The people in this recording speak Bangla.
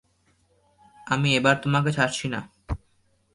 আমি এবার তোমাকে ছাড়ছি না।